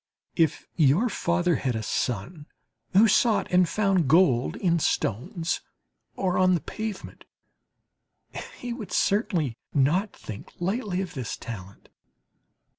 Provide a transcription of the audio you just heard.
If your father had a son who sought and found gold in stones or on the pavement, he would certainly not think lightly of this talent.